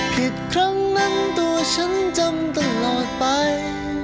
ผิดครั้งนั้นตัวฉันจำตลอดไป